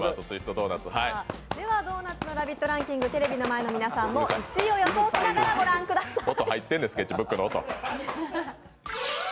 ではドーナツのラヴィットランキング、テレビの前の皆さんも１位を予想しながら御覧ください。